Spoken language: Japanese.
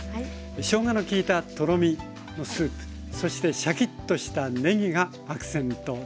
しょうがのきいたとろみのスープそしてシャキッとしたねぎがアクセントです。